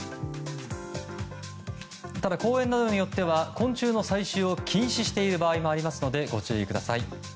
ただ、公園などによっては昆虫の採集を禁止している場合もありますのでご注意ください。